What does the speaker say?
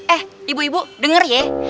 eh ibu ibu dengar ya